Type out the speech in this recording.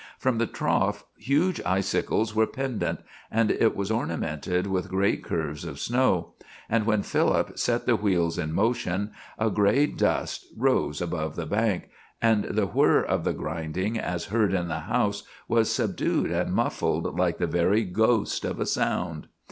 From the trough huge icicles were pendent, and it was ornamented with great curves of snow; and when Philip set the wheels in motion, a gray dust rose above the bank, and the whir of the grinding as heard at the house was subdued and muffled like the very ghost of a sound.